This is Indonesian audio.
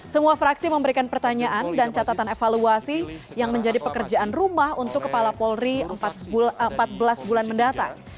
semua fraksi memberikan pertanyaan dan catatan evaluasi yang menjadi pekerjaan rumah untuk kepala polri empat belas bulan mendatang